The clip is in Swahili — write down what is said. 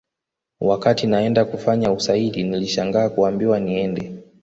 Wakati naenda kufanya usaili nilishangaa kuambiwa niende